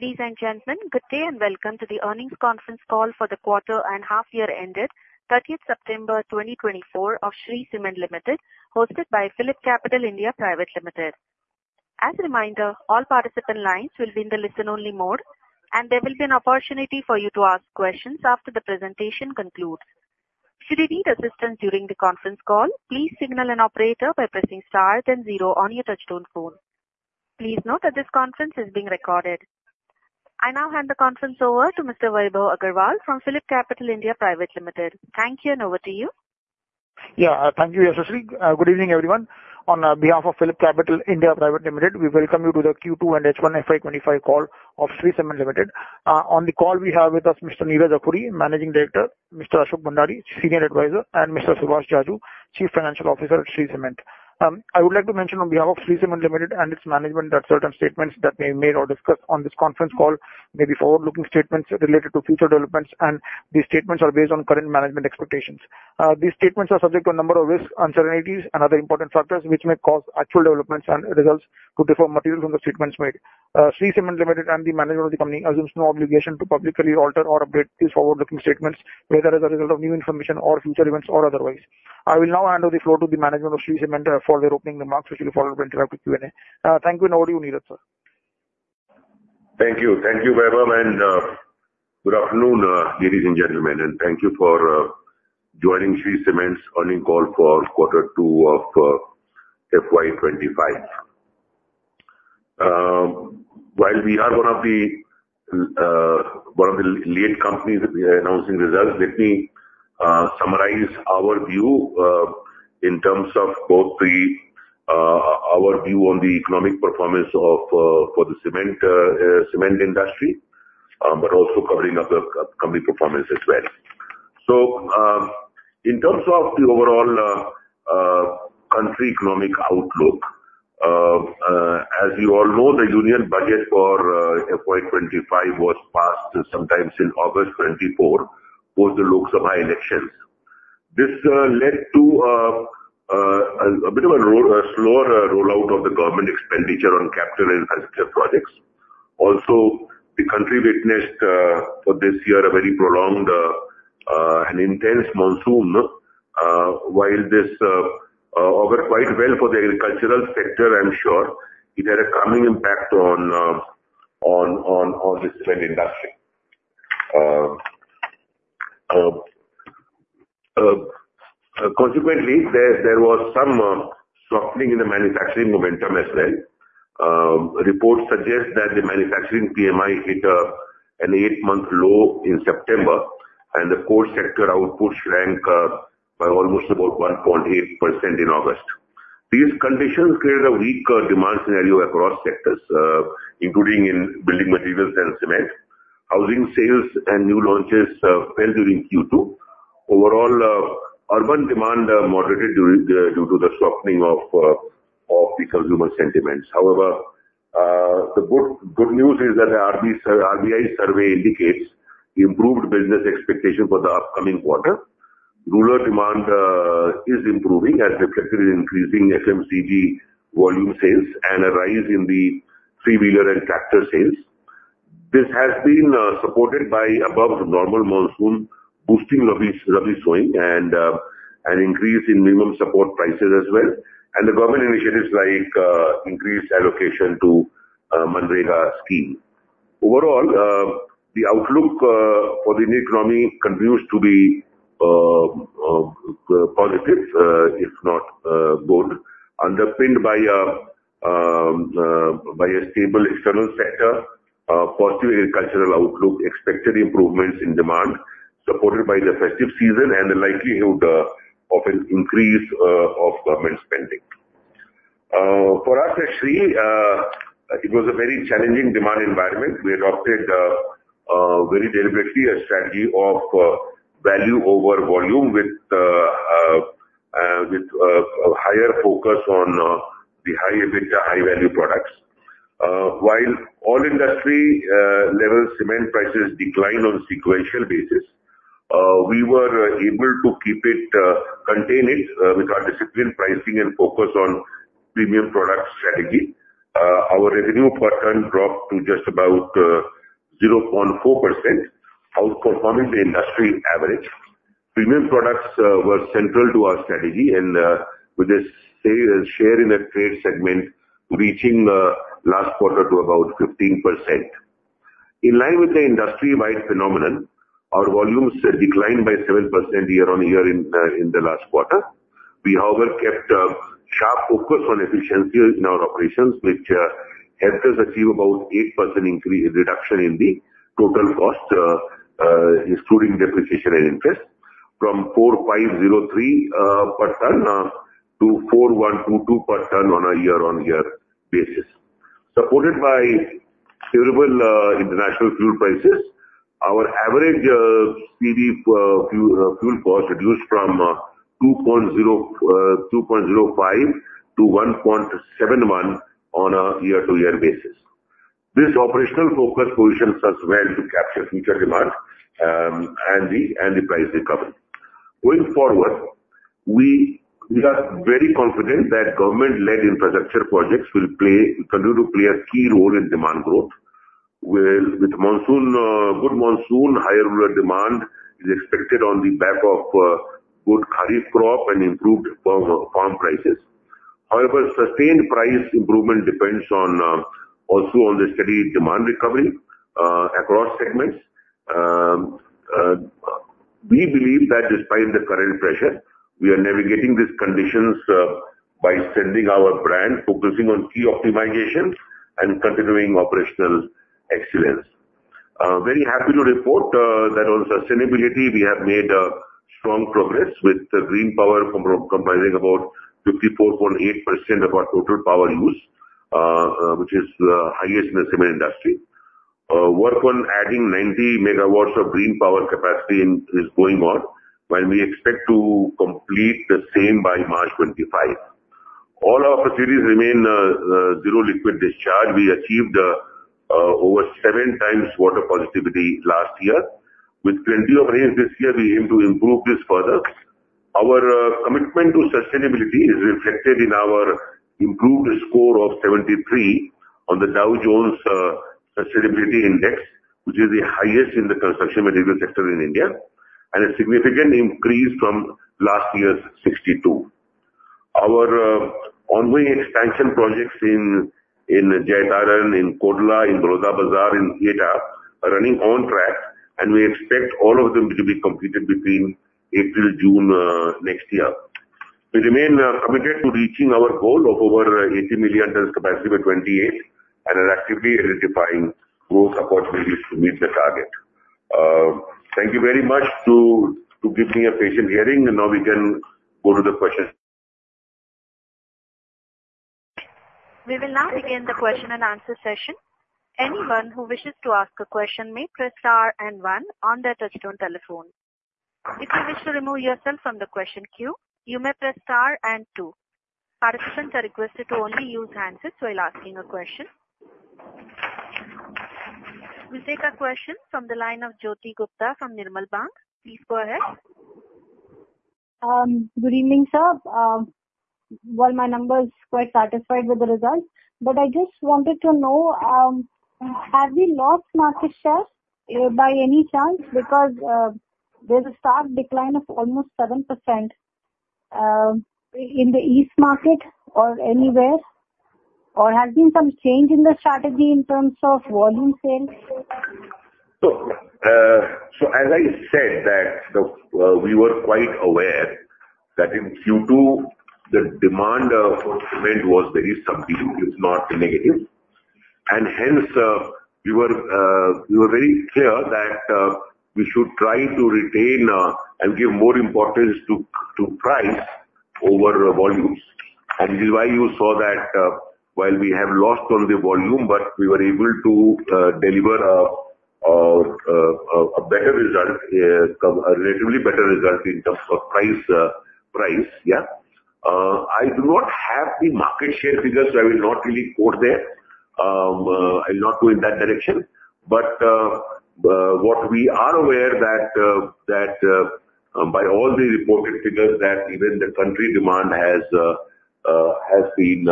Ladies and gentlemen, good day and welcome to the earnings conference call for the quarter and half-year ended 30th September 2024 of Shree Cement Limited, hosted by PhillipCapital India Private Limited. As a reminder, all participant lines will be in the listen-only mode, and there will be an opportunity for you to ask questions after the presentation concludes. Should you need assistance during the conference call, please signal an operator by pressing star then zero on your touch-tone phone. Please note that this conference is being recorded. I now hand the conference over to Mr. Vaibhav Agarwal from PhillipCapital India Private Limited. Thank you, and over to you. Yeah, thank you, Yashasvi. Good evening, everyone. On behalf of PhillipCapital India Private Limited, we welcome you to the Q2 and H1 FY25 call of Shree Cement Limited. On the call, we have with us Mr. Neeraj Akhoury, Managing Director, Mr. Ashok Bhandari, Senior Advisor, and Mr. Subhash Jajoo, Chief Financial Officer at Shree Cement. I would like to mention, on behalf of Shree Cement Limited and its management, that certain statements that may be made or discussed on this conference call may be forward-looking statements related to future developments, and these statements are based on current management expectations. These statements are subject to a number of risks, uncertainties, and other important factors which may cause actual developments and results to differ materially from the statements made. Shree Cement Limited and the management of the company assumes no obligation to publicly alter or update these forward-looking statements, whether as a result of new information or future events or otherwise. I will now hand over the floor to the management of Shree Cement for their opening remarks, which will be followed by an interactive Q&A. Thank you, and over to you, Neeraj, sir. Thank you. Thank you, Vaibhav, and good afternoon, ladies and gentlemen. And thank you for joining Shree Cement's earnings call for quarter two of FY25. While we are one of the late companies announcing results, let me summarize our view in terms of both our view on the economic performance for the cement industry, but also covering the company performance as well. So, in terms of the overall country economic outlook, as you all know, the union budget for FY25 was passed sometime since August 2024 for the Lok Sabha elections. This led to a bit of a slower rollout of the government expenditure on capital and infrastructure projects. Also, the country witnessed for this year a very prolonged and intense monsoon. While this went over quite well for the agricultural sector, I'm sure, it had a calming impact on the cement industry. Consequently, there was some softening in the manufacturing momentum as well. Reports suggest that the manufacturing PMI hit an eight-month low in September, and the core sector output shrank by almost about 1.8% in August. These conditions created a weaker demand scenario across sectors, including in building materials and cement. Housing sales and new launches fell during Q2. Overall, urban demand moderated due to the softening of the consumer sentiments. However, the good news is that the RBI survey indicates improved business expectations for the upcoming quarter. Rural demand is improving as reflected in increasing FMCG volume sales and a rise in the three-wheeler and tractor sales. This has been supported by above-normal monsoon boosting Rabi sowing and an increase in minimum support prices as well, and the government initiatives like increased allocation to MGNREGA scheme. Overall, the outlook for the Indian economy continues to be positive, if not good, underpinned by a stable external sector, positive agricultural outlook, expected improvements in demand, supported by the festive season and the likelihood of an increase of government spending. For us at Shree, it was a very challenging demand environment. We adopted very deliberately a strategy of value over volume with a higher focus on the high-value products. While all industry-level cement prices declined on a sequential basis, we were able to contain it with our disciplined pricing and focus on premium product strategy. Our revenue per ton dropped to just about 0.4%, outperforming the industry average. Premium products were central to our strategy, and with a share in the trade segment reaching last quarter to about 15%. In line with the industry-wide phenomenon, our volumes declined by 7% year-on-year in the last quarter. We, however, kept a sharp focus on efficiency in our operations, which helped us achieve about an 8% reduction in the total cost, excluding depreciation and interest, from 4,503 per ton to 4,122 per ton on a year-on-year basis. Supported by favorable international fuel prices, our average CV fuel cost reduced from 2.05 to 1.71 on a year-on-year basis. This operational focus positions us well to capture future demand and the price recovery. Going forward, we are very confident that government-led infrastructure projects will continue to play a key role in demand growth. With good monsoon, higher rural demand is expected on the back of good kharif crop and improved farm prices. However, sustained price improvement depends also on the steady demand recovery across segments. We believe that despite the current pressure, we are navigating these conditions by extending our brand, focusing on key optimizations and continuing operational excellence. Very happy to report that on sustainability, we have made strong progress with green power comprising about 54.8% of our total power use, which is the highest in the cement industry. Work on adding 90 megawatts of green power capacity is going on, while we expect to complete the same by March 2025. All our facilities remain zero liquid discharge. We achieved over seven times water positivity last year. With plenty of rain this year, we aim to improve this further. Our commitment to sustainability is reflected in our improved score of 73 on the Dow Jones Sustainability Index, which is the highest in the construction material sector in India, and a significant increase from last year's 62. Our ongoing expansion projects in Jaitaran, in Kodla, in Baloda Bazar, in Etah are running on track, and we expect all of them to be completed between April and June next year. We remain committed to reaching our goal of over 80 million tons capacity by 2028 and are actively identifying growth opportunities to meet the target. Thank you very much for giving me a patient hearing, and now we can go to the questions. We will now begin the question and answer session. Anyone who wishes to ask a question may press star and one on their touch-tone telephone. If you wish to remove yourself from the question queue, you may press star and two. Participants are requested to only use handsets while asking a question. We'll take a question from the line of Jyoti Gupta from Nirmal Bang. Please go ahead. Good evening, sir. Well, I'm quite satisfied with the results, but I just wanted to know, have we lost market share by any chance? Because there's a sharp decline of almost 7% in the East market or anywhere, or has there been some change in the strategy in terms of volume sales? So, as I said, we were quite aware that in Q2, the demand for cement was very subdued, if not negative. And hence, we were very clear that we should try to retain and give more importance to price over volumes. And this is why you saw that while we have lost on the volume, but we were able to deliver a better result, a relatively better result in terms of price. Yeah, I do not have the market share figures, so I will not really quote there. I will not go in that direction. But what we are aware that by all the reported figures, that even the country demand has been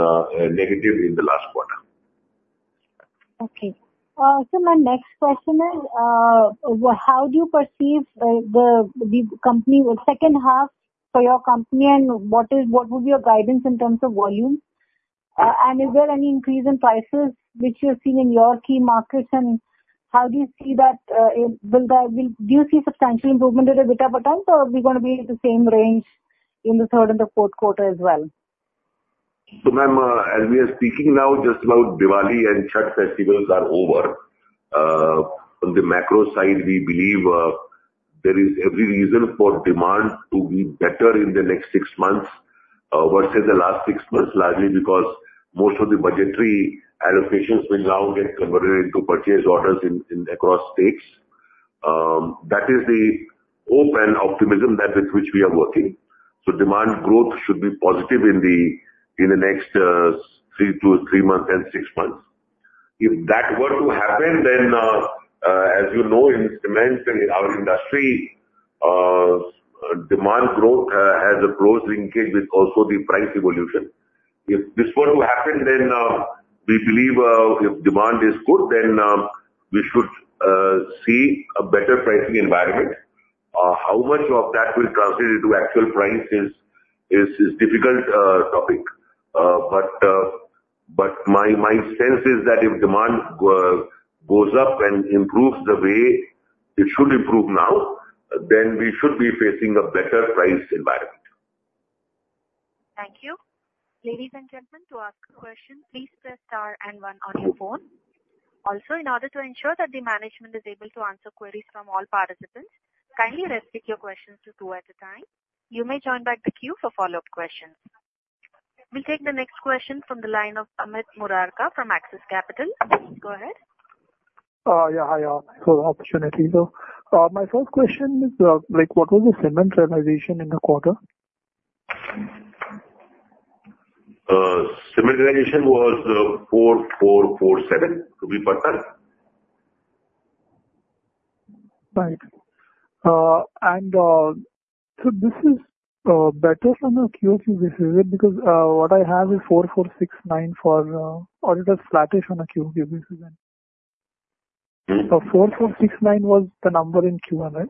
negative in the last quarter. Okay. My next question is, how do you perceive the second half for your company, and what would be your guidance in terms of volume? Is there any increase in prices which you've seen in your key markets, and how do you see that? Do you see substantial improvement in the EBIDTA per ton, or are we going to be in the same range in the third and the fourth quarter as well? So, ma'am, as we are speaking now, just about Diwali and Chhath festivals are over. On the macro side, we believe there is every reason for demand to be better in the next six months versus the last six months, largely because most of the budgetary allocations will now get converted into purchase orders across states. That is the hope and optimism with which we are working. So demand growth should be positive in the next three months and six months. If that were to happen, then, as you know, in cement, in our industry, demand growth has a close linkage with also the price evolution. If this were to happen, then we believe if demand is good, then we should see a better pricing environment. How much of that will translate into actual price is a difficult topic. But my sense is that if demand goes up and improves the way it should improve now, then we should be facing a better price environment. Thank you. Ladies and gentlemen, to ask a question, please press star and one on your phone. Also, in order to ensure that the management is able to answer queries from all participants, kindly restrict your questions to two at a time. You may join back the queue for follow-up questions. We'll take the next question from the line of Amit Murarka from Axis Capital. Please go ahead. Yeah, hi. From Thanks for the opportunity. My first question is, what was the cement realization in the quarter? Cement realization was INR 4,447 per ton. Right. And so this is better on a Q1 QoQ, right? Because what I have is 4,469 for. Or it was flattish on a Q1 QoQ, then? 4,469 was the number in Q1, right?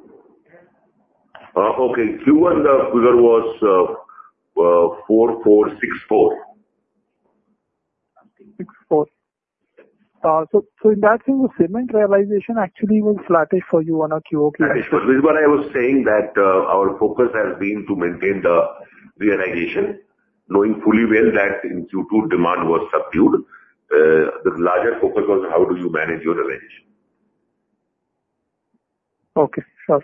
Okay. Q1, the figure was 4,464. So in that sense, the cement realization actually was flattish for you on a Q1 QoQ? That is what I was saying, that our focus has been to maintain the realization, knowing fully well that in Q2, demand was subdued. The larger focus was how do you manage your realization. Okay. Sure.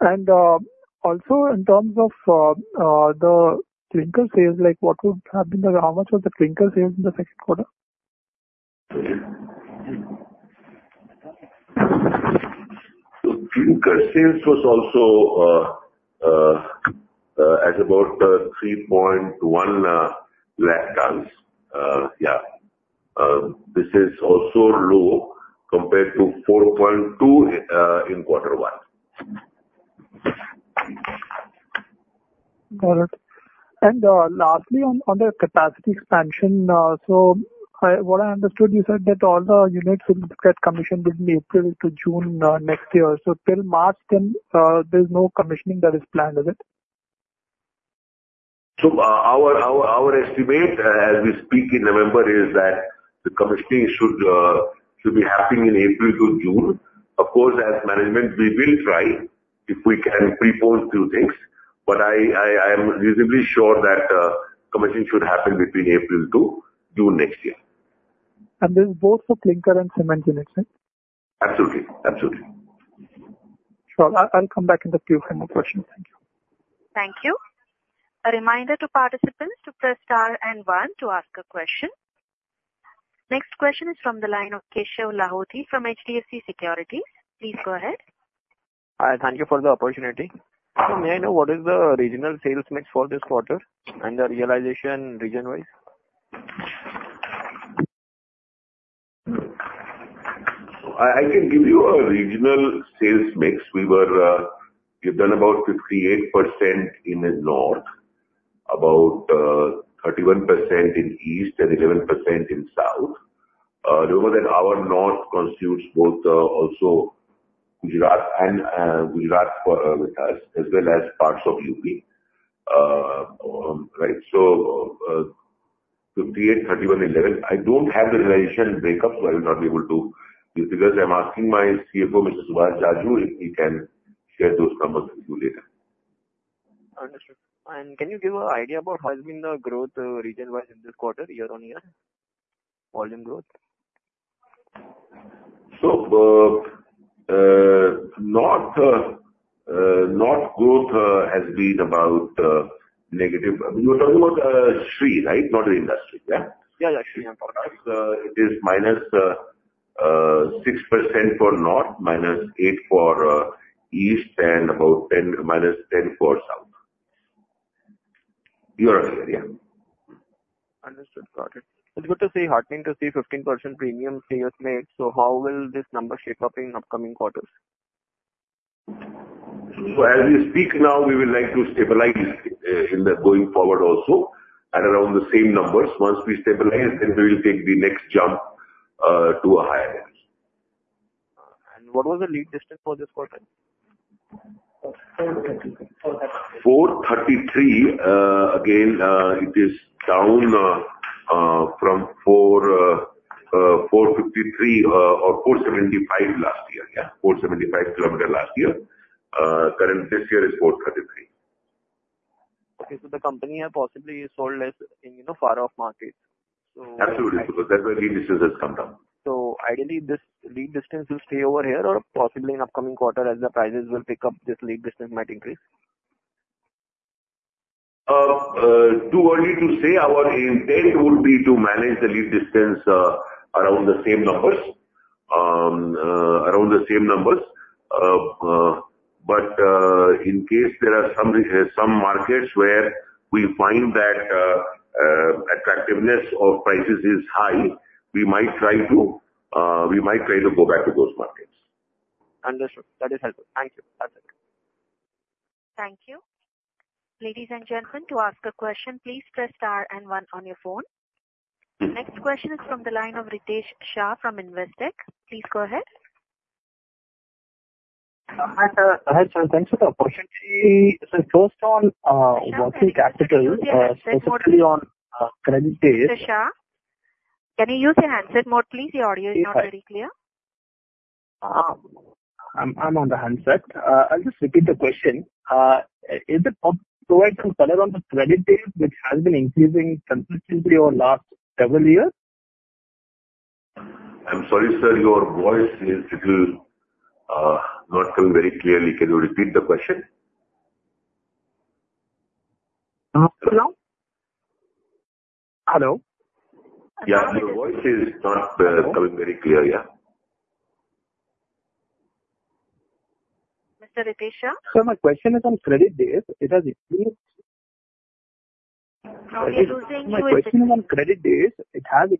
And also, in terms of the clinker sales, what would have been, how much was the clinker sales in the second quarter? So clinker sales was also at about 3.1 lakh tons. Yeah. This is also low compared to 4.2 in quarter one. Got it. And lastly, on the capacity expansion, so what I understood, you said that all the units will get commissioned in April to June next year. So till March, then there's no commissioning that is planned, is it? Our estimate, as we speak in November, is that the commissioning should be happening in April to June. Of course, as management, we will try if we can prepose a few things, but I am reasonably sure that commissioning should happen between April to June next year. This is both for clinker and cement units, right? Absolutely. Absolutely. Sure. I'll come back in the queue for more questions. Thank you. Thank you. A reminder to participants to press star and one to ask a question. Next question is from the line of Keshav Lahoti from HDFC Securities. Please go ahead. Hi. Thank you for the opportunity. So may I know what is the regional sales mix for this quarter and the realization region-wise? I can give you a regional sales mix. We've done about 58% in the north, about 31% in east, and 11% in south. Remember that our north constitutes both also Gujarat and Gujarat with us, as well as parts of UP, right? So 58, 31, 11. I don't have the realization breakup, so I will not be able to give figures. I'm asking my CFO, Mr. Subhash Jajoo, if he can share those numbers with you later. Understood, and can you give an idea about how has been the growth region-wise in this quarter, year-on-year, volume growth? So North growth has been about negative. You're talking about Shree, right? Not the industry, yeah? Yeah, yeah. Shree, I'm talking about. It is -6% for North, -8% for East, and about -10% for South. You are okay, yeah? Understood. Got it. It's good to see, heartening to see 15% premium here today. So how will this number shape up in upcoming quarters? So as we speak now, we would like to stabilize in the going forward also at around the same numbers. Once we stabilize, then we will take the next jump to a higher level. What was the lead distance for this quarter? 433. Again, it is down from 453 or 475 last year, yeah? 475 kilometers last year. Current this year is 433. Okay, so the company has possibly sold less in far-off markets, so. Absolutely. Because that's where lead distance has come down. So ideally, this lead distance will stay over here or possibly in upcoming quarter as the prices will pick up, this lead distance might increase? Too early to say. Our intent would be to manage the lead distance around the same numbers, around the same numbers. But in case there are some markets where we find that attractiveness of prices is high, we might try to go back to those markets. Understood. That is helpful. Thank you. That's it. Thank you. Ladies and gentlemen, to ask a question, please press star and one on your phone. Next question is from the line of Ritesh Shah from Investec. Please go ahead. Hi, sir. Thanks for the question. So questions was on working capital. Yes, yes. Especially on credit days. Mr. Shah, can you use your handset mode, please? Your audio is not very clear. I'm on the handset. I'll just repeat the question. Is it providing color on the credit days, which has been increasing consistently over the last several years? I'm sorry, sir. Your voice is not coming very clearly. Can you repeat the question? Hello? Hello? Yeah. Your voice is not coming very clear, yeah? Mr. Ritesh Shah? Sir, my question is on credit days. It has increased. Okay. You're losing your. My question is on credit days. It has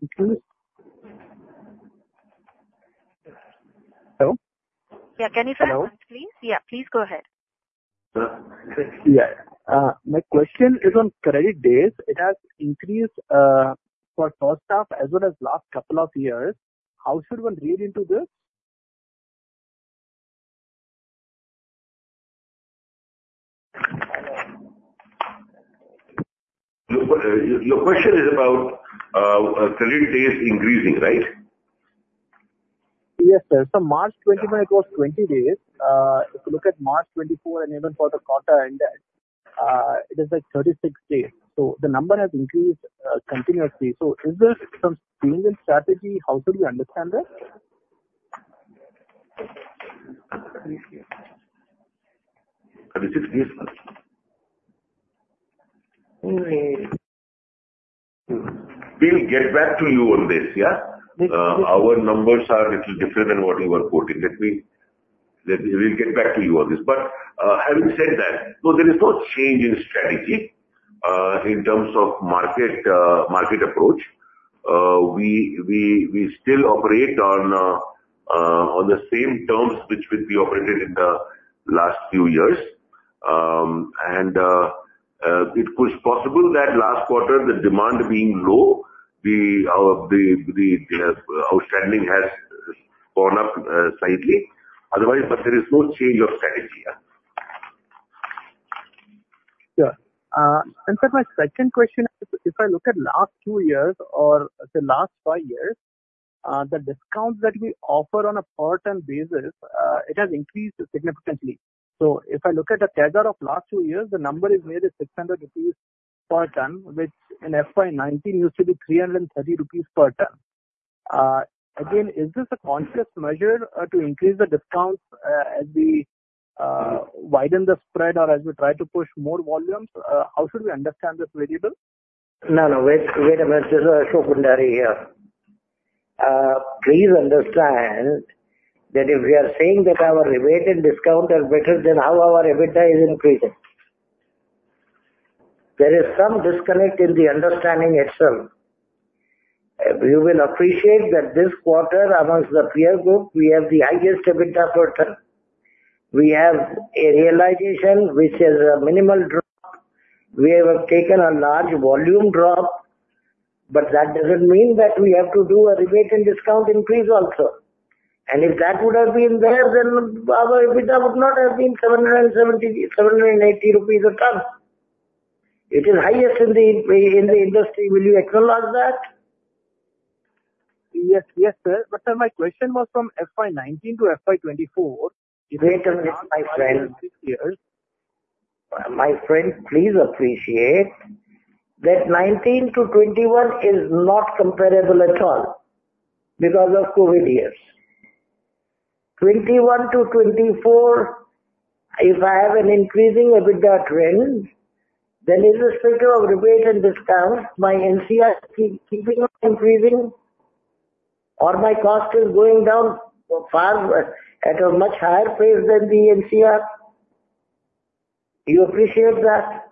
increased. Hello? Yeah. Can you say that, please? Yeah. Please go ahead. Yeah. My question is on credit days. It has increased for Shree Cement as well as last couple of years. How should one read into this? Your question is about credit days increasing, right? Yes, sir. So March 2021, it was 20 days. If you look at March 2024 and even for the quarter end, it is like 36 days. So the number has increased continuously. So is there some change in strategy? How should we understand that? 36 days? We'll get back to you on this, yeah? Our numbers are a little different than what you were quoting. We'll get back to you on this. But having said that, so there is no change in strategy in terms of market approach. We still operate on the same terms which we've operated in the last few years. And it was possible that last quarter, the demand being low, the outstanding has gone up slightly. Otherwise, but there is no change of strategy, yeah? Sure. And sir, my second question is, if I look at last two years or the last five years, the discount that we offer on a per ton basis, it has increased significantly. So if I look at the CAGR of last two years, the number is nearly 600 rupees per ton, which in FY 2019 used to be 330 rupees per ton. Again, is this a conscious measure to increase the discounts as we widen the spread or as we try to push more volumes? How should we understand this variable? No, no. Wait a minute. This is Ashok Bhandari here. Please understand that if we are saying that our rebate and discount are better than how our EBITDA is increasing, there is some disconnect in the understanding itself. You will appreciate that this quarter, amongst the peer group, we have the highest EBITDA per ton. We have a realization, which is a minimal drop. We have taken a large volume drop, but that doesn't mean that we have to do a rebate and discount increase also. And if that would have been there, then our EBITDA would not have been 780 rupees a ton. It is highest in the industry. Will you acknowledge that? Yes, yes, sir, but sir, my question was from FY 2019 to FY 2024. Wait a minute, my friend. My friend, please appreciate that 2019-2021 is not comparable at all because of COVID years. 2021-2024, if I have an increasing EBITDA trend, then in the spirit of rebate and discount, my NCR keeping on increasing or my cost is going down at a much higher pace than the NCR, you appreciate that?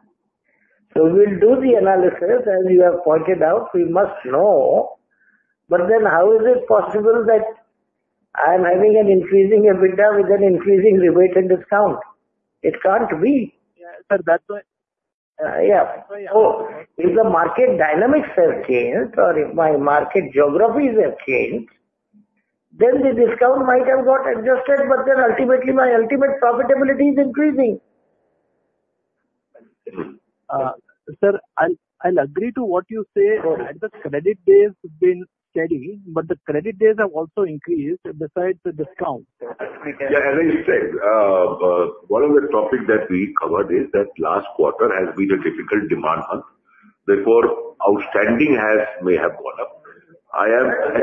So we'll do the analysis, as you have pointed out. We must know. But then how is it possible that I'm having an increasing EBITDA with an increasing rebate and discount? It can't be. Yeah, sir. That's why. Yeah. So if the market dynamics have changed or if my market geographies have changed, then the discount might have got adjusted, but then ultimately, my ultimate profitability is increasing. Sir, I'll agree to what you say. At the credit days, it's been steady, but the credit days have also increased besides the discount. Yeah. As I said, one of the topics that we covered is that last quarter has been a difficult demand month. Therefore, outstanding may have gone up. I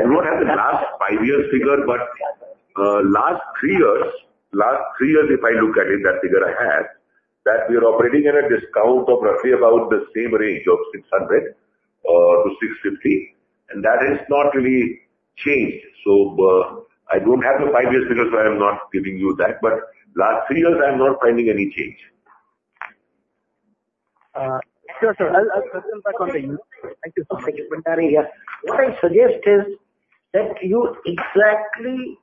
do not have the last five years' figure, but last three years, if I look at it, that figure I have, that we are operating in a discount of roughly about the same range of 600-650, and that has not really changed. So I don't have the five years' figure, so I'm not giving you that. But last three years, I'm not finding any change. Sure, sir. I'll circle back on the UP. Thank you so much, Mr. Bhandari. What I suggest is that you exactly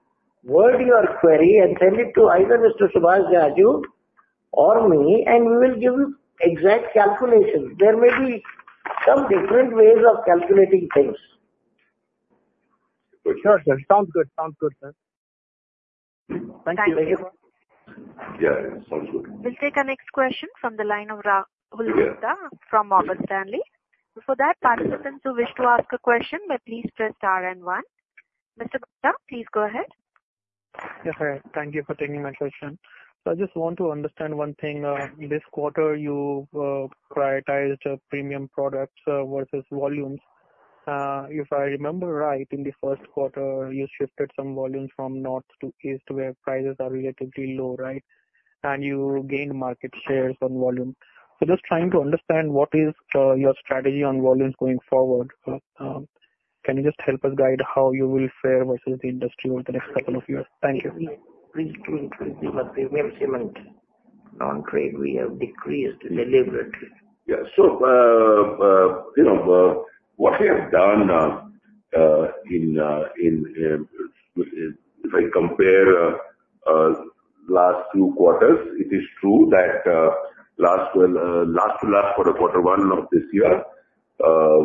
word your query and send it to either Mr. Subhash Jajoo or me, and we will give you exact calculations. There may be some different ways of calculating things. Sure, sir. Sounds good. Sounds good, sir. Thank you. Thank you. Yeah. Sounds good. We'll take a next question from the line of Rahul Bhandari from Morgan Stanley. Before that, participants who wish to ask a question may please press star and one. Mr. Bhandari, please go ahead. Yes, sir. Thank you for taking my question. So I just want to understand one thing. This quarter, you prioritized premium products versus volumes. If I remember right, in the first quarter, you shifted some volumes from north to east where prices are relatively low, right? And you gained market shares on volume. So just trying to understand what is your strategy on volumes going forward. Can you just help us guide how you will fare versus the industry over the next couple of years? Thank you. Please do increase the premium cement non-trade. We have decreased deliberately. Yeah. So what we have done, if I compare last two quarters, it is true that last to last quarter, quarter one of this year,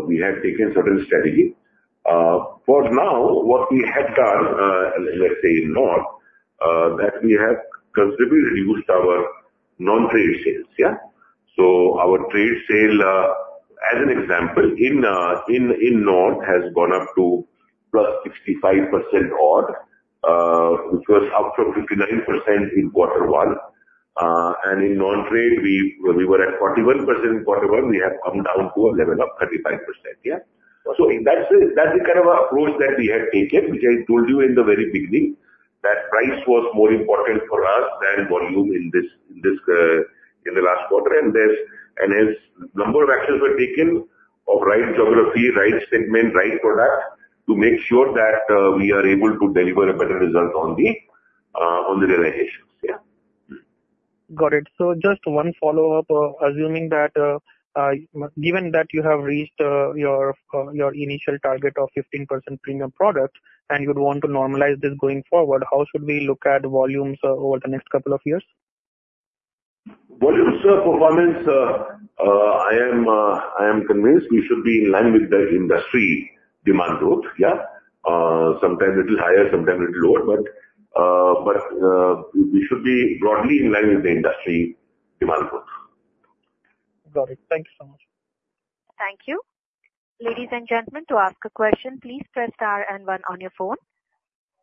we had taken certain strategy. For now, what we have done, let's say in north, that we have considerably reduced our non-trade sales, yeah? So our trade sale, as an example, in north has gone up to plus 65% odd, which was up from 59% in quarter one. And in non-trade, we were at 41% in quarter one. We have come down to a level of 35%, yeah? So that's the kind of approach that we have taken, which I told you in the very beginning, that price was more important for us than volume in the last quarter. And as a number of actions were taken of right geography, right segment, right product to make sure that we are able to deliver a better result on the realizations, yeah? Got it. So just one follow-up. Assuming that given that you have reached your initial target of 15% premium product and you'd want to normalize this going forward, how should we look at volumes over the next couple of years? Volume performance, I am convinced we should be in line with the industry demand growth, yeah? Sometimes a little higher, sometimes a little lower, but we should be broadly in line with the industry demand growth. Got it. Thank you so much. Thank you. Ladies and gentlemen, to ask a question, please press star and one on your phone.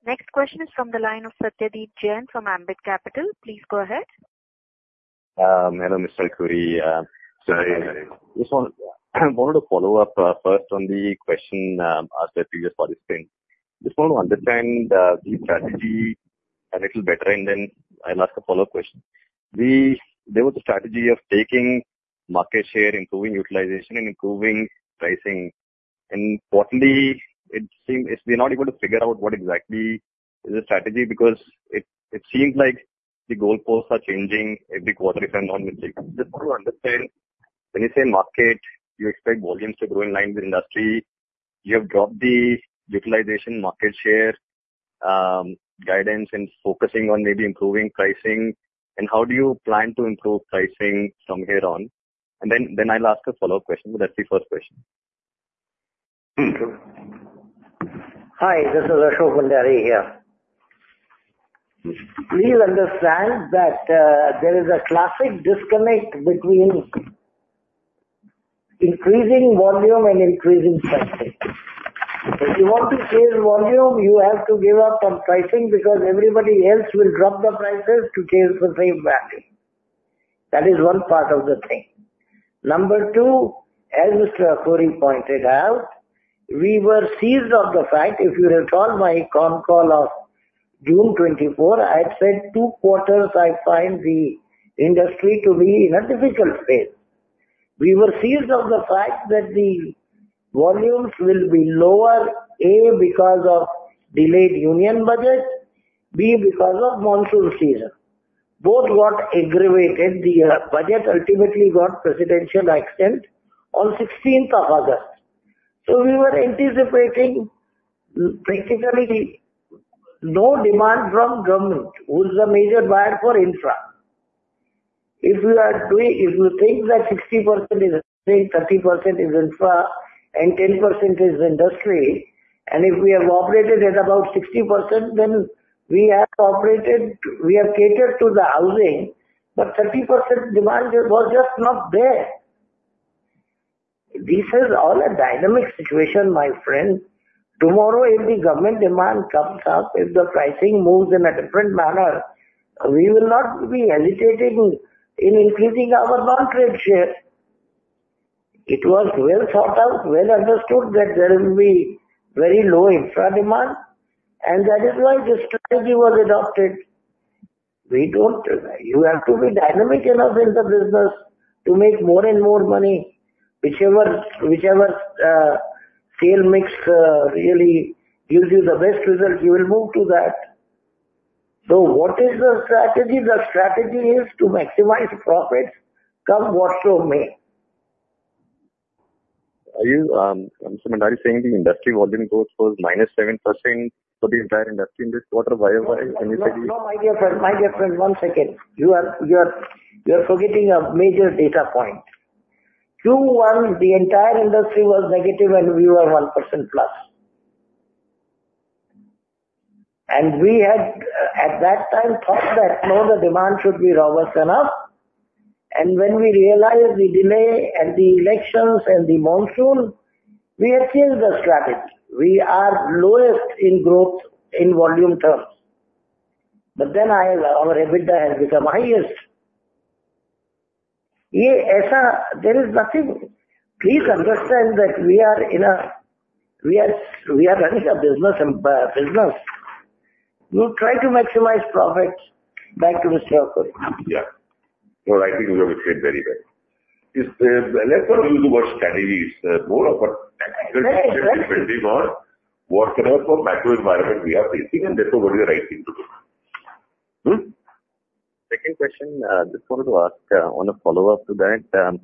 Next question is from the line of Satyadeep Jain from Ambit Capital. Please go ahead. Hello, Mr. Akhoury. So I just wanted to follow up first on the question asked by previous participants. Just wanted to understand the strategy a little better, and then I'll ask a follow-up question. There was a strategy of taking market share, improving utilization, and improving pricing. And importantly, it seems we're not able to figure out what exactly is the strategy because it seems like the goalposts are changing every quarter, if I'm not mistaken. Just wanted to understand, when you say market, you expect volumes to grow in line with industry. You have dropped the utilization, market share guidance, and focusing on maybe improving pricing. And how do you plan to improve pricing from here on? And then I'll ask a follow-up question, but that's the first question. Hi. This is Ashok Bhandari here. Please understand that there is a classic disconnect between increasing volume and increasing pricing. If you want to chase volume, you have to give up on pricing because everybody else will drop the prices to chase the same value. That is one part of the thing. Number two, as Mr. Akhoury pointed out, we were seized on the fact. If you recall my con call of June 24, I had said two quarters, I find the industry to be in a difficult phase. We were seized on the fact that the volumes will be lower, A, because of delayed Union Budget, B, because of monsoon season. Both got aggravated. The budget ultimately got presidential assent on 16th of August. So we were anticipating practically no demand from government, who's the major buyer for infra. If you think that 60% is infra, and 10% is industry, and if we have operated at about 60%, then we have operated, we have catered to the housing, but 30% demand was just not there. This is all a dynamic situation, my friend. Tomorrow, if the government demand comes up, if the pricing moves in a different manner, we will not be hesitating in increasing our non-trade share. It was well thought out, well understood that there will be very low infra demand, and that is why the strategy was adopted. You have to be dynamic enough in the business to make more and more money. Whichever sale mix really gives you the best result, you will move to that. So what is the strategy? The strategy is to maximize profits come what may. Are you, Mr. Bhandari, saying the industry volume growth was minus 7% for the entire industry in this quarter? Why? No, my dear friend, one second. You are forgetting a major data point. Q1, the entire industry was negative, and we were 1% plus. And we had, at that time, thought that, no, the demand should be robust enough. And when we realized the delay and the elections and the monsoon, we achieved the strategy. We are lowest in growth in volume terms. But then our EBITDA has become highest. There is nothing. Please understand that we are running a business. You try to maximize profits. Back to Mr. Akhoury. Yeah. Well, I think we understand very well. Let's not allude to what strategy is more of a strategic venture or whatever macro environment we are facing, and therefore, what is the right thing to do? Second question, just wanted to ask on a follow-up to that.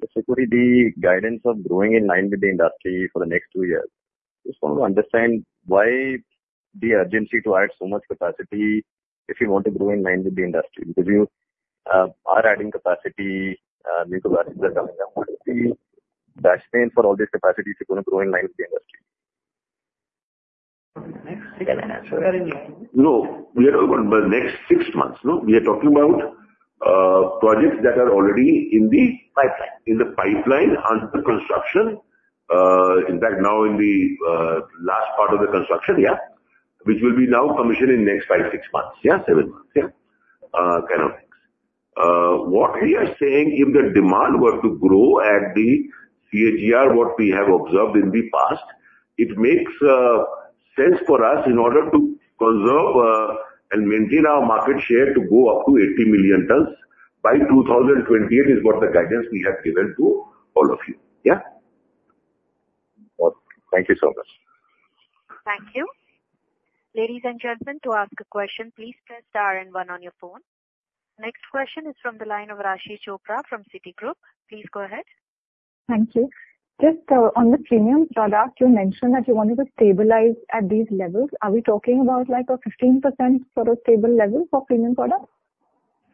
Basically, the guidance of growing in line with the industry for the next two years. Just wanted to understand why the urgency to add so much capacity if you want to grow in line with the industry? Because you are adding capacity, new capacities are coming up. What is the best plan for all this capacity if you want to grow in line with the industry? Next six months? No, we are talking about the next six months. We are talking about projects that are already in the pipeline under construction. In fact, now in the last part of the construction, yeah, which will be now commissioned in next five, six months, yeah? Seven months, yeah? Kind of things. What we are saying, if the demand were to grow at the CAGR, what we have observed in the past, it makes sense for us in order to conserve and maintain our market share to go up to 80 million tons by 2028 is what the guidance we have given to all of you, yeah? Thank you so much. Thank you. Ladies and gentlemen, to ask a question, please press star and one on your phone. Next question is from the line of Rashi Chopra from Citi. Please go ahead. Thank you. Just on the premium product, you mentioned that you wanted to stabilize at these levels. Are we talking about a 15% sort of stable level for premium product?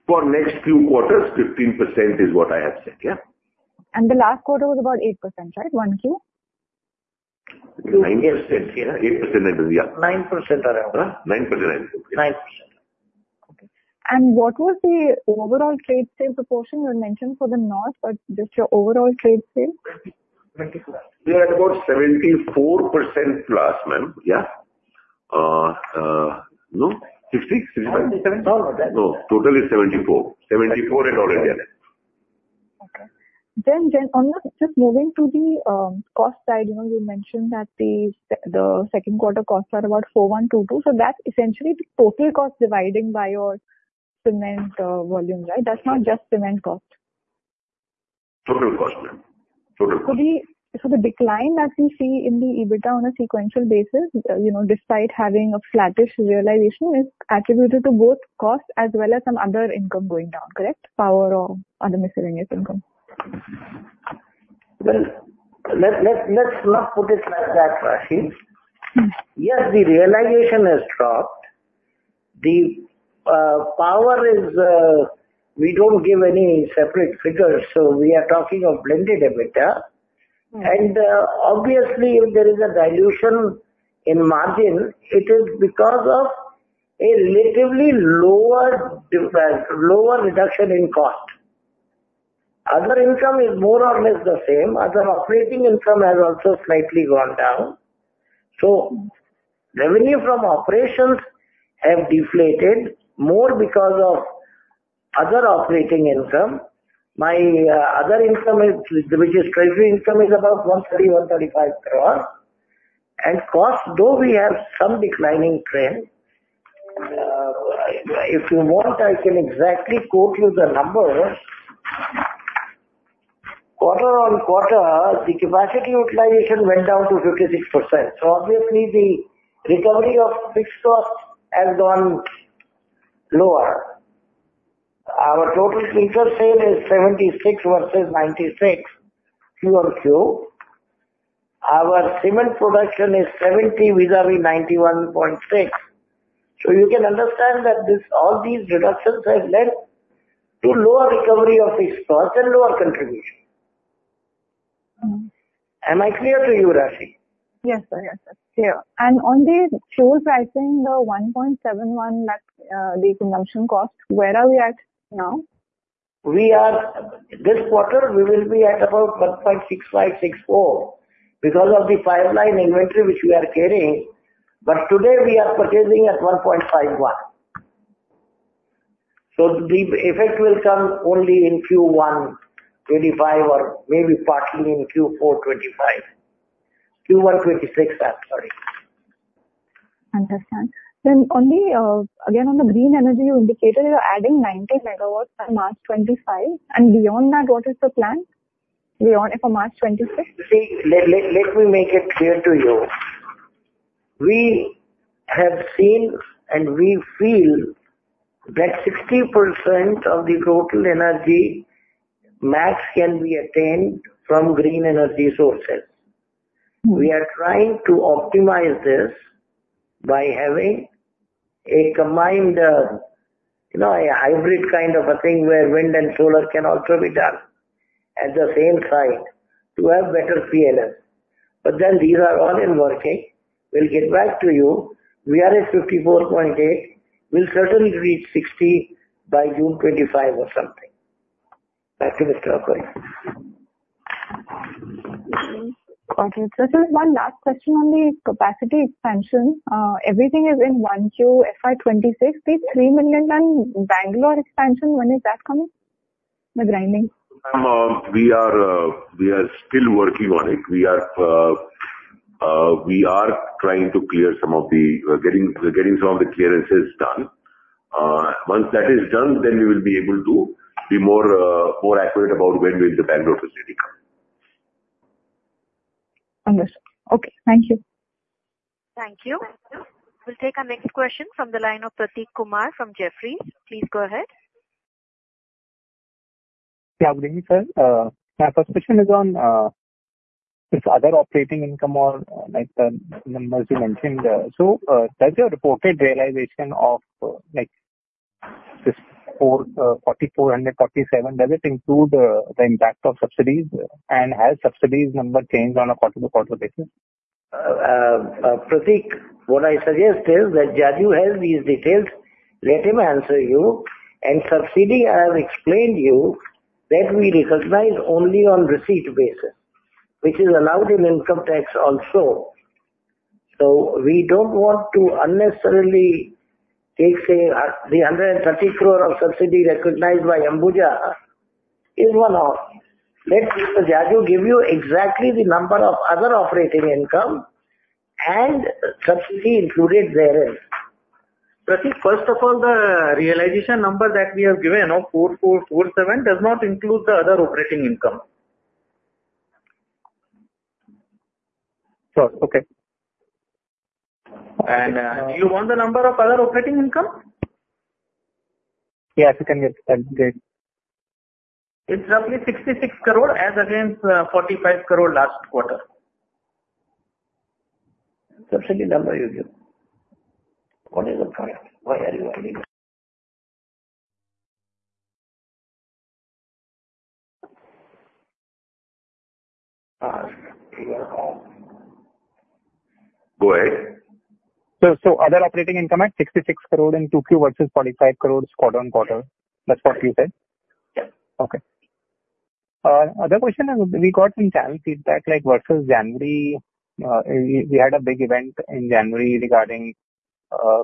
For next few quarters, 15% is what I have said, yeah? And the last quarter was about 8%, right? 1Q? 9%, yeah? 8%, yeah? 9%. 9%. 9%. Okay. And what was the overall trade sale proportion you had mentioned for the north, but just your overall trade sale? We are at about 74% plus, ma'am, yeah? No? 60? 65? 70? No, total is 74. 74 in all areas. Okay. Then just moving to the cost side, you mentioned that the second quarter costs are about 4,122. So that's essentially the total cost dividing by your cement volume, right? That's not just cement cost. Total cost, ma'am. Total cost. So the decline that you see in the EBITDA on a sequential basis, despite having a flattish realization, is attributed to both cost as well as some other income going down, correct? Power or other miscellaneous income? Let's not put it like that, Rashi. Yes, the realization has dropped. The point is we don't give any separate figures, so we are talking of blended EBITDA. And obviously, if there is a dilution in margin, it is because of a relatively lower reduction in cost. Other income is more or less the same. Other operating income has also slightly gone down. So revenue from operations have deflated more because of other operating income. Our other income, which is treasury income, is about 130-135 crore. And cost, though we have some declining trend, if you want, I can exactly quote you the number. Quarter on quarter, the capacity utilization went down to 56%. So obviously, the recovery of fixed cost has gone lower. Our total cost is 76 versus 96 Q1Q. Our cement production is 70 vis-à-vis 91.6. So you can understand that all these reductions have led to lower recovery of fixed cost and lower contribution. Am I clear to you, Rashi? Yes, sir. Yes, sir. Clear. And on the fuel pricing, the 1.71, the consumption cost, where are we at now? This quarter, we will be at about 1.65-64 because of the pipeline inventory which we are carrying. But today, we are purchasing at 1.51. So the effect will come only in Q1 25 or maybe partly in Q4 25. Q1 26, I'm sorry. Understand. Then again, on the green energy indicator, you're adding 90 megawatts by March 2025. And beyond that, what is the plan? Beyond for March 2026? Let me make it clear to you. We have seen and we feel that 60% of the total energy mix can be attained from green energy sources. We are trying to optimize this by having a combined, a hybrid kind of a thing where wind and solar can also be done at the same site to have better PLFs. But then these are all in the works. We'll get back to you. We are at 54.8%. We'll certainly reach 60% by June 2025 or something. Back to Mr. Akhoury. Okay. So just one last question on the capacity expansion. Everything is in 1Q FY26. The 3 million ton Bangalore expansion, when is that coming? The grinding. We are still working on it. We are trying to get some of the clearances done. Once that is done, then we will be able to be more accurate about when will the Bangalore facility come. Understood. Okay. Thank you. Thank you. We'll take a next question from the line of Prateek Kumar from Jefferies. Please go ahead. Yeah, good evening, sir. My first question is on this other operating income or numbers you mentioned. So does your reported realization of this 4,447, does it include the impact of subsidies? And has subsidies number changed on a quarter-to-quarter basis? Prateek, what I suggest is that Jajoo has these details. Let him answer you, and subsidy, I have explained to you that we recognize only on receipt basis, which is allowed in income tax also. So we don't want to unnecessarily take the 130 crore of subsidy recognized by Ambuja. Is one of. Let Jajoo give you exactly the number of other operating income and subsidy included therein. Prateek, first of all, the realization number that we have given, 4,447, does not include the other operating income. Sure. Okay. And do you want the number of other operating income? Yeah, if you can just add the date. It's roughly 66 crore as against 45 crore last quarter. Subsidy number you give? What is the point? Why are you adding it? Go ahead. So other operating income at 66 crore in Q2 versus 45 crore quarter on quarter. That's what you said? Yes. Okay. The other question is we got some channel feedback versus January. We had a big event in January regarding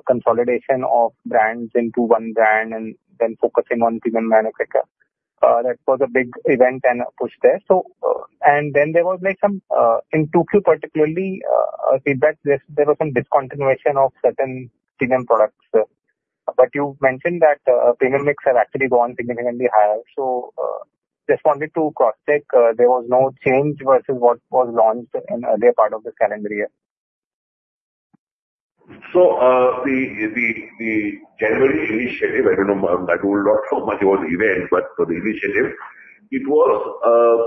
consolidation of brands into one brand and then focusing on premium manufacturer. That was a big event and push there. And then there was some in Q2, particularly feedback, there was some discontinuation of certain premium products. But you mentioned that premium mix have actually gone significantly higher. So just wanted to cross-check. There was no change versus what was launched in earlier part of this calendar year. So the January initiative, I don't know. I don't know how much it was event, but for the initiative, it was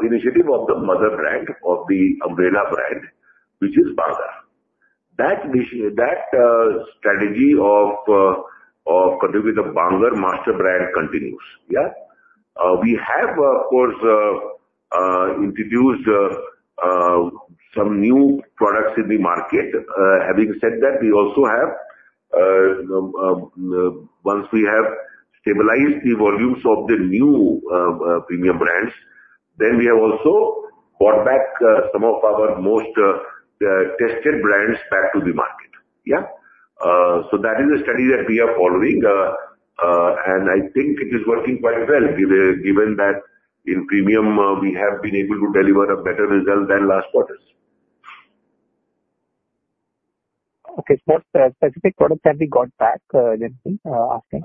the initiative of the mother brand of the umbrella brand, which is Bangur. That strategy of continuing with the Bangur master brand continues, yeah? We have, of course, introduced some new products in the market. Having said that, we also have, once we have stabilized the volumes of the new premium brands, then we have also brought back some of our most tested brands to the market, yeah? So that is the strategy that we are following, and I think it is working quite well given that in premium, we have been able to deliver a better result than last quarters. Okay. What specific products have we got back? Asking.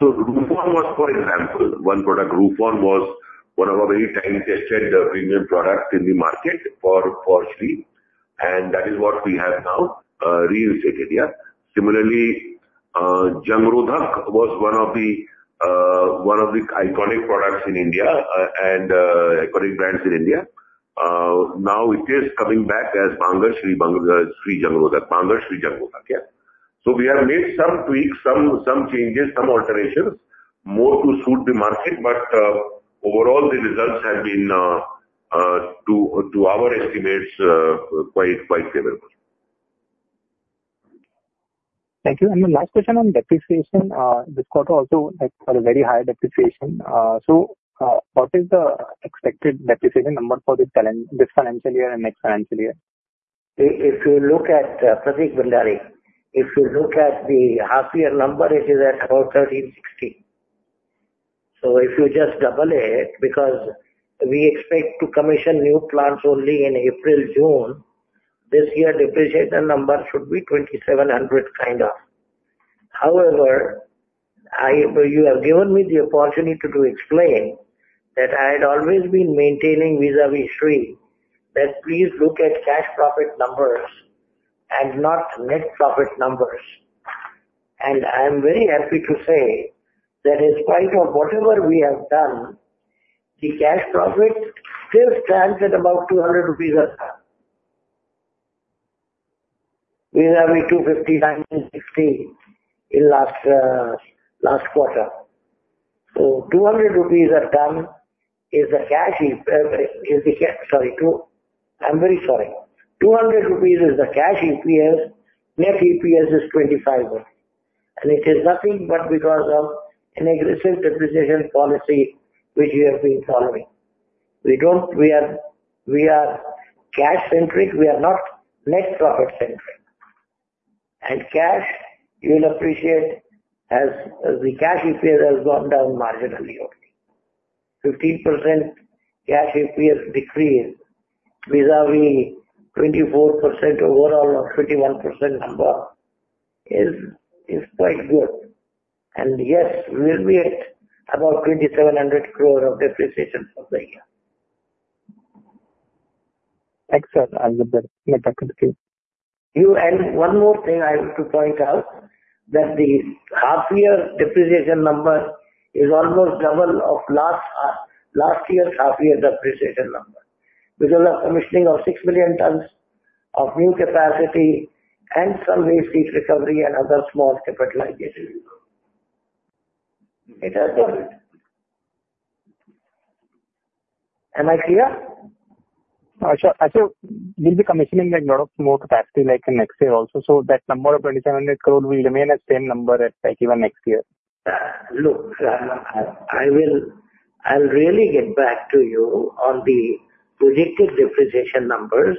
Roofon was, for example, one product. Roofon was one of our very time-tested premium products in the market for Shree. And that is what we have now reinstated, yeah? Similarly, Jung Rodhak was one of the iconic products in India and iconic brands in India. Now it is coming back as Bangur Shree Jung Rodhak. Bangur Shree Jung Rodhak, yeah? So we have made some tweaks, some changes, some alterations more to suit the market. But overall, the results have been, to our estimates, quite favorable. Thank you. And the last question on depreciation. This quarter also had a very high depreciation. So what is the expected depreciation number for this financial year and next financial year? If you look at Prateek Bhandari, if you look at the half-year number, it is at about 1360. So if you just double it, because we expect to commission new plants only in April, June, this year depreciation number should be 2700 kind of. However, you have given me the opportunity to explain that I had always been maintaining vis-à-vis Shree that please look at cash profit numbers and not net profit numbers. And I'm very happy to say that in spite of whatever we have done, the cash profit still stands at about 200 rupees a ton. Vis-à-vis 250, 1960 in last quarter. So 200 rupees a ton is the cash sorry, I'm very sorry. 200 rupees is the cash EPS. Net EPS is 25. And it is nothing but because of an aggressive depreciation policy which we have been following. We are cash-centric. We are not net profit-centric. And cash, you'll appreciate, the Cash EPS has gone down marginally only. 15% Cash EPS decrease vis-à-vis 24% overall or 21% number is quite good. And yes, we'll be at about 2,700 crore of depreciation for the year. Thanks, sir. I'll let that continue too. One more thing I have to point out that the half-year depreciation number is almost double of last year's half-year depreciation number because of commissioning of 6 million tons of new capacity and some waste heat recovery and other small capitalization. It has doubled. Am I clear? Sure. Actually, we'll be commissioning a lot of more capacity next year also. So that number of 2,700 crore will remain the same number at even next year? Look, I'll really get back to you on the projected depreciation numbers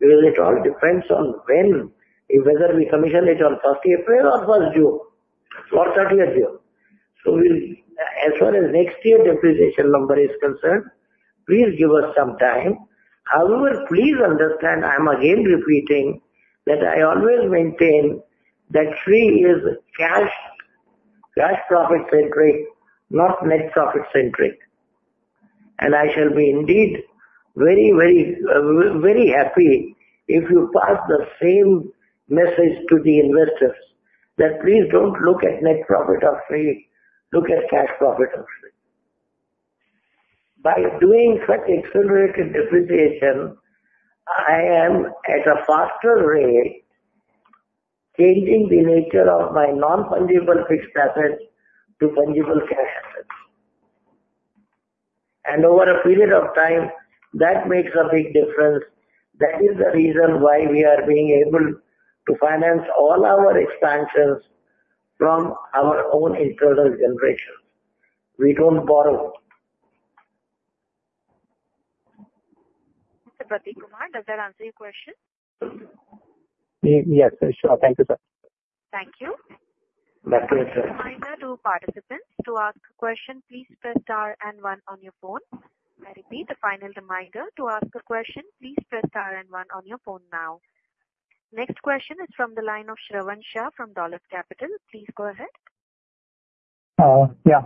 because it all depends on whether we commission it on 1st April or 1st June or 30th June. So as far as next year's depreciation number is concerned, please give us some time. However, please understand, I'm again repeating that I always maintain that Shree is cash profit-centric, not net profit-centric. And I shall be indeed very, very, very happy if you pass the same message to the investors that please don't look at net profit of Shree. Look at cash profit of Shree. By doing such accelerated depreciation, I am at a faster rate changing the nature of my non-fungible fixed assets to fungible cash assets. And over a period of time, that makes a big difference. That is the reason why we are being able to finance all our expansions from our own internal generations. We don't borrow. Mr. Prateek Kumar, does that answer your question? Yes, sure. Thank you, sir. Thank you. That's it, sir. Final reminder to participants to ask a question. Please press star and one on your phone. I repeat the final reminder to ask a question. Please press star and one on your phone now. Next question is from the line of Shravan Shah from Dolat Capital. Please go ahead. Yeah.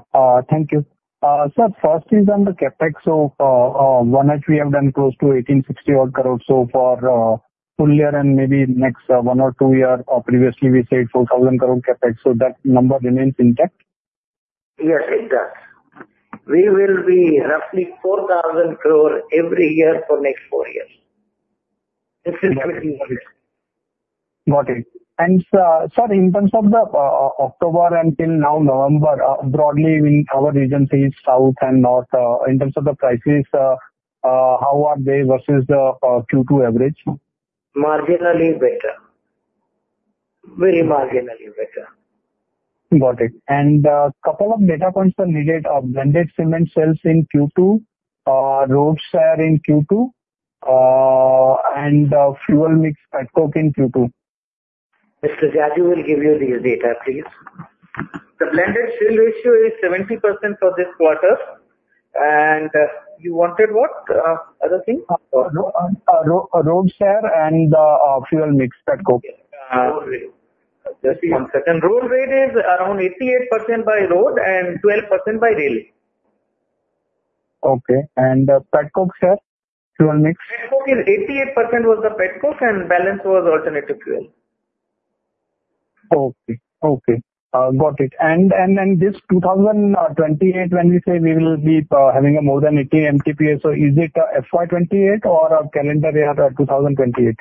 Thank you. Sir, first is on the CapEx. Of H1 we have done close to 1,860 crore so far. Full year and maybe next one or two years or previously we said 4,000 crore CapEx. So that number remains intact? Yes, intact. We will be roughly 4,000 crore every year for next four years. This is 2020. Got it. And sir, in terms of the October until now November, broadly in our region, say south and north, in terms of the prices, how are they versus the Q2 average? Marginally better. Very marginally better. Got it. A couple of data points are needed. Blended cement sales in Q2, RMC share in Q2, and fuel mix at petcoke in Q2. Mr. Jajoo will give you these data, please. The blended sale ratio is 70% for this quarter, and you wanted what other thing? Raw share and fuel mix at petcoke. Road rate. Just one second. Road rate is around 88% by road and 12% by rail. Okay. And Petcoke share? Fuel mix? Petcoke is 88% and balance was alternative fuel. Okay. Okay. Got it. And then this 2028, when we say we will be having a more than 80 MTPS, so is it FY 2028 or calendar year 2028?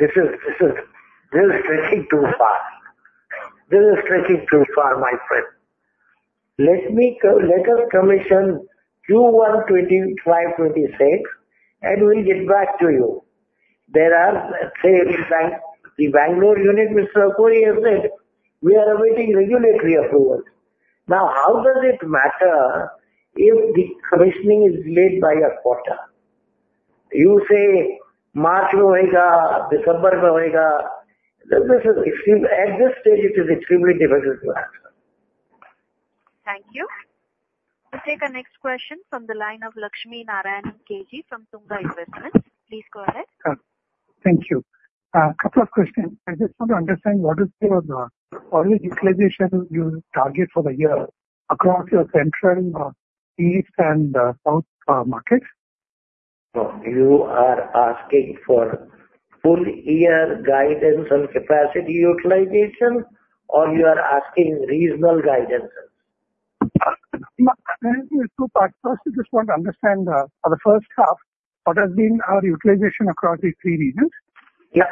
This is getting too far. This is getting too far, my friend. Let us commission Q1 FY26 and we'll get back to you. There are the Bangalore unit, Mr. Akhoury has said, we are awaiting regulatory approvals. Now, how does it matter if the commissioning is delayed by a quarter? You say March will be here, December will be here. At this stage, it is extremely difficult to answer. Thank you. We'll take a next question from the line of Lakshmi Narayanan KG from Tunga Investments. Please go ahead. Thank you. A couple of questions. I just want to understand what is the early utilization you target for the year across your central, east, and south markets? You are asking for full-year guidance on capacity utilization or you are asking regional guidance? It's two parts. First, I just want to understand for the first half, what has been our utilization across these three regions? Yeah.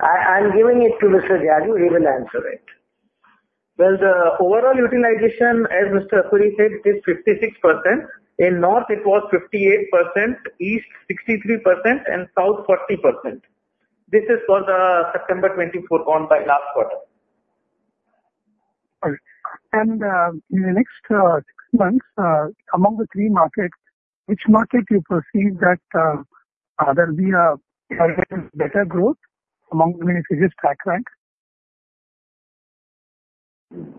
I'm giving it to Mr. Jajoo. He will answer it. Well, the overall utilization, as Mr. Akhoury said, is 56%. In North, it was 58%, East 63%, and South 40%. This is for the September 2024 on a YoY basis last quarter. All right, and in the next six months, among the three markets, which market do you perceive that there will be a better growth among the three biggest track ranks?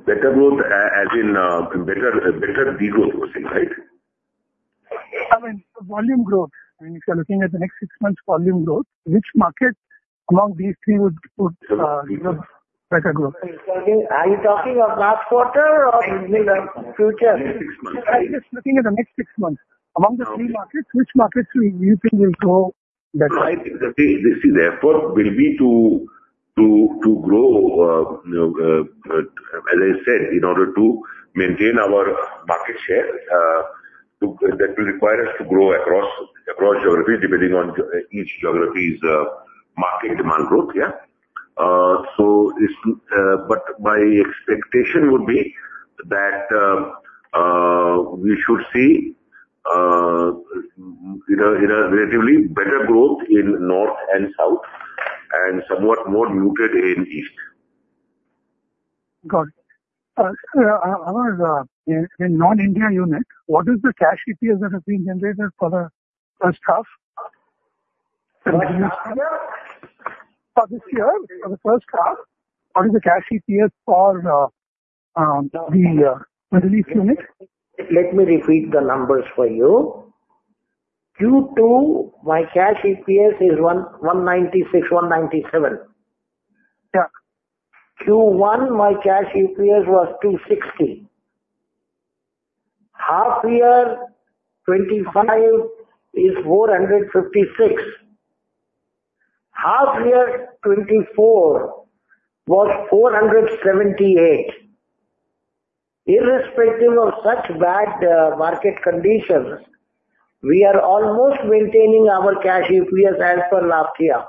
Better growth as in better degrowth, you're saying, right? I mean, volume growth. I mean, if you're looking at the next six months' volume growth, which market among these three would give us better growth? Are you talking of last quarter or future? Next six months. I'm just looking at the next six months. Among the three markets, which markets do you think will grow better? I think the effort will be to grow, as I said, in order to maintain our market share, that will require us to grow across geographies depending on each geography's market demand growth, yeah? So my expectation would be that we should see relatively better growth in North and South and somewhat more muted in East. Got it. In non-India unit, what is the cash EPS that has been generated for the first half? For this year, for the first half, what is the cash EPS for the Middle East unit? Let me repeat the numbers for you. Q2, my cash EPS is 196, 197. Q1, my cash EPS was 260. Half-year 25 is 456. Half-year 24 was 478. Irrespective of such bad market conditions, we are almost maintaining our cash EPS as per last year.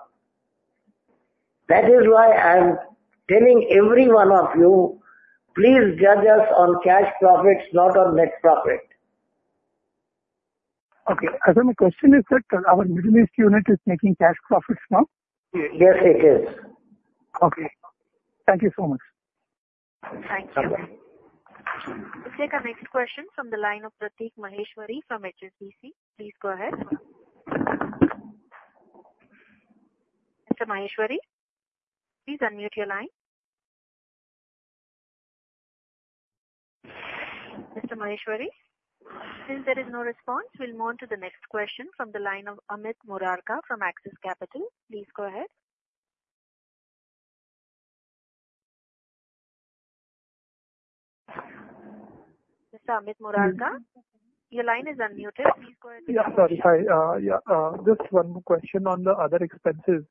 That is why I'm telling every one of you, please judge us on cash profits, not on net profit. Okay. As my question is that our Middle East unit is making cash profits now? Yes, it is. Okay. Thank you so much. Thank you. We'll take a next question from the line of Prateek Maheshwari from HSBC. Please go ahead. Mr. Maheshwari, please unmute your line. Mr. Maheshwari, since there is no response, we'll move on to the next question from the line of Amit Murarka from Axis Capital. Please go ahead. Mr. Amit Murarka, your line is unmuted. Please go ahead. Yes, sorry. Yeah. Just one more question on the other expenses.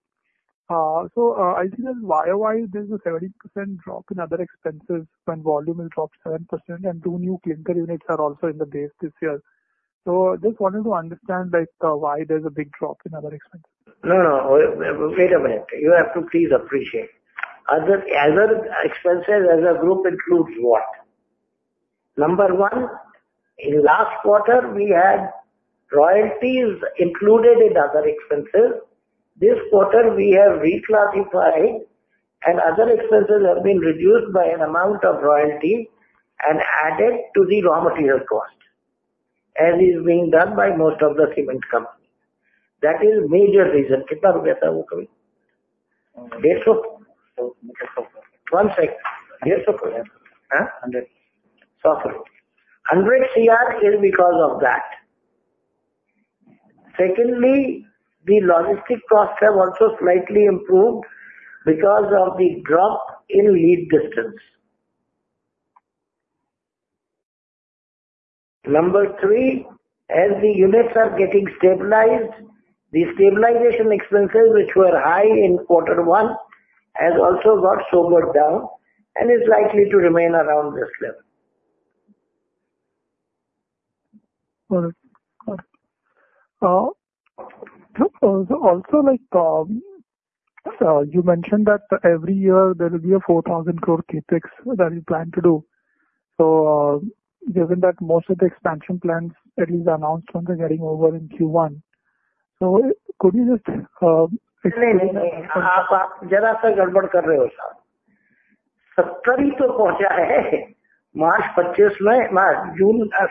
So I see that why there's a 70% drop in other expenses when volume has dropped 7% and two new clinker units are also in the base this year. So just wanted to understand why there's a big drop in other expenses. No, no. Wait a minute. You have to please appreciate. Other expenses as a group includes what? Number one, in last quarter, we had royalties included in other expenses. This quarter, we have reclassified and other expenses have been reduced by an amount of royalty and added to the raw material cost as is being done by most of the cement companies. That is a major reason. One second. 100 Cr is because of that. Secondly, the logistics costs have also slightly improved because of the drop in lead distance. Number three, as the units are getting stabilized, the stabilization expenses, which were high in quarter one, have also got sobered down and is likely to remain around this level. Got it. Also, you mentioned that every year there will be a 4,000 crore CapEx that you plan to do. So given that most of the expansion plans at least announcements are getting over in Q1, so could you just explain? Jara sa gadbad kar rahe ho,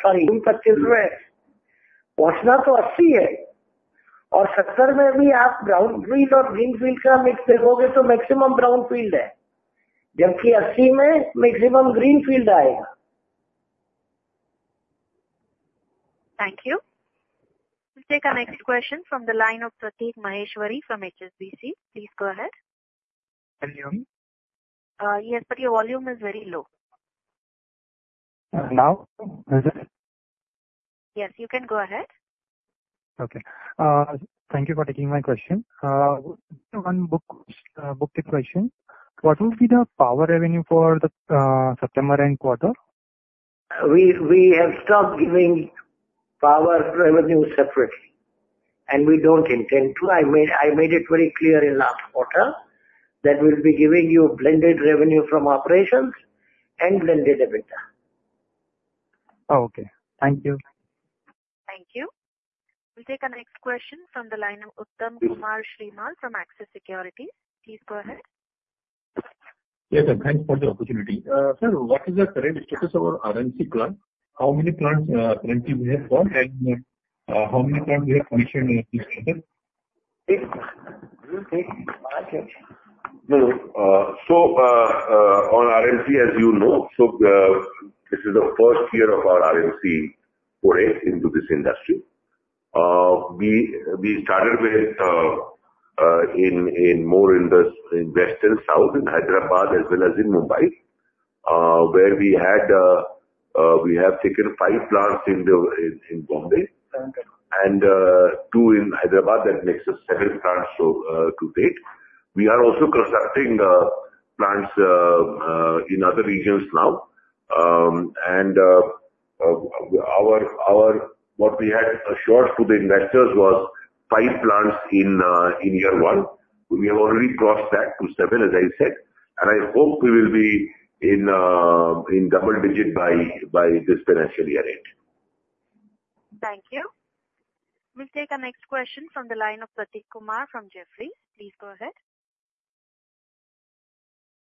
sahib. 70 hi to pahuncha hai March 2025 mein, June 2025 mein. Pahunchana to 80 hai. Aur 70 mein bhi aap brownfield aur greenfield ka mix dekhoge to maximum brownfield hai. Jabki 80 mein maximum greenfield aayega. Thank you. We'll take a next question from the line of Prateek Maheshwari from HSBC. Please go ahead. Volume? Yes, but your volume is very low. Now? Yes, you can go ahead. Okay. Thank you for taking my question. One quick question. What will be the power revenue for the September end quarter? We have stopped giving power revenue separately. And we don't intend to. I made it very clear in last quarter that we'll be giving you blended revenue from operations and blended EBITDA. Okay. Thank you. Thank you. We'll take a next question from the line of Uttam Kumar Srimal from Axis Securities. Please go ahead. Yes, sir. Thanks for the opportunity. Sir, what is the current status of our RMC plant? How many plants currently do we have gone and how many plants do we have commissioned? On RMC, as you know, this is the first year of our RMC foray into this industry. We started with more in west and south in Hyderabad as well as in Mumbai, where we have taken five plants in Bombay and two in Hyderabad. That makes us seven plants to date. We are also constructing plants in other regions now. What we had assured to the investors was five plants in year one. We have already crossed that to seven, as I said. I hope we will be in double digit by this financial year end. Thank you. We'll take a next question from the line of Prateek Kumar from Jefferies. Please go ahead.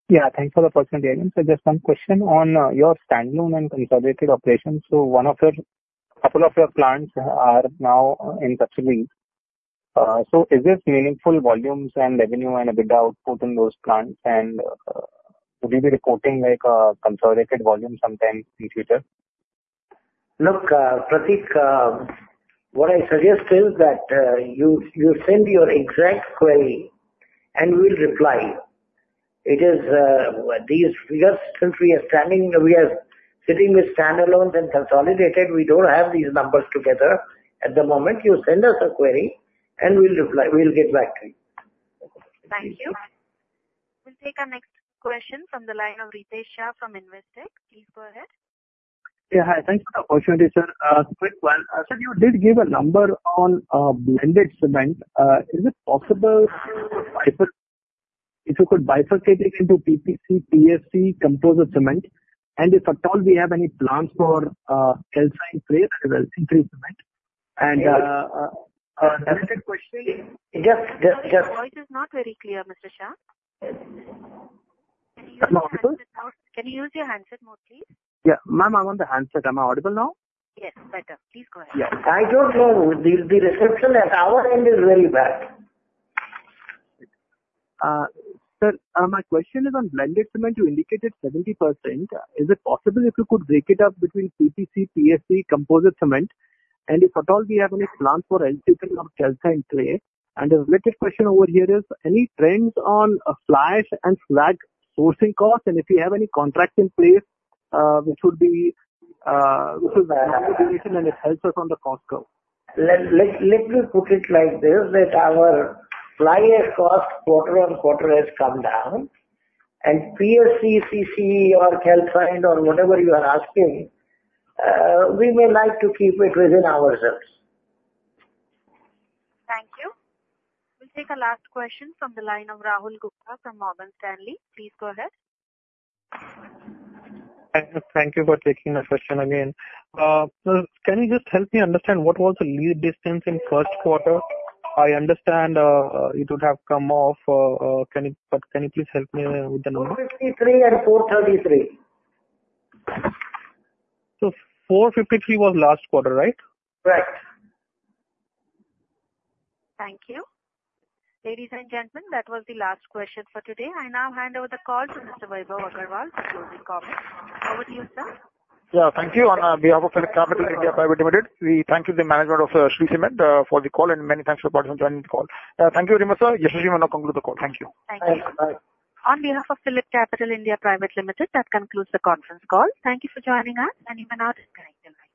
Yeah. Thanks for the first one, Sanjay. So just one question on your standalone and consolidated operations. So a couple of your plants are now in subsidy. So is this meaningful volumes and revenue and EBITDA output in those plants? And would you be reporting a consolidated volume sometime in future? Look, Prateek, what I suggest is that you send your exact query and we'll reply. These figures, since we are sitting with standalones and consolidated, we don't have these numbers together at the moment. You send us a query and we'll get back to you. Thank you. We'll take a next question from the line of Ritesh Shah from Investec. Please go ahead. Yeah. Thanks for the opportunity, sir. Quick one. I said you did give a number on blended cement. Is it possible if you could bifurcate it into PPC, PSC, composite cement? And if at all, we have any plans for calcined clay as well green cement? And another question. Yes. Your voice is not very clear, Mr. Shah. Can you use your handset mode, please? Yeah. Ma'am, I'm on the handset. Am I audible now? Yes. Better. Please go ahead. I don't know. The reception at our end is very bad. Sir, my question is on blended cement. You indicated 70%. Is it possible if you could break it up between PPC, PSC, composite cement? And if at all, we have any plans for LC3 or calcined clay? And the related question over here is, any trends on fly ash and slag sourcing costs? And if you have any contracts in place, which would be longer duration and it helps us on the cost curve? Let me put it like this. Our fuel cost quarter on quarter has come down. And PSC, CC, or calcined or whatever you are asking, we may like to keep it within ourselves. Thank you. We'll take a last question from the line of Rahul Gupta from Morgan Stanley. Please go ahead. Thank you for taking the question again. Can you just help me understand what was the lead distance in first quarter? I understand it would have come off, but can you please help me with the number? 453 and 433. So 453 was last quarter, right? Correct. Thank you. Ladies and gentlemen, that was the last question for today. I now hand over the call to Mr. Vaibhav Agarwal for closing comments. Over to you, sir. Yeah. Thank you. On behalf of PhillipCapital India Private Limited, we thank you, the management of Shree Cement, for the call. And many thanks for participating in the call. Thank you very much, sir. With that, we will now conclude the call. Thank you. Thank you. Thanks. On behalf of PhillipCapital India Private Limited, that concludes the conference call. Thank you for joining us. You may now disconnect.